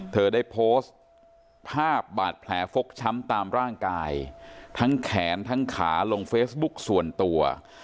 เธอได้โพสต์ภาพบาดแผลฟกช้ำตามร่างกายทั้งแขนทั้งขาลงเฟซบุ๊กส่วนตัว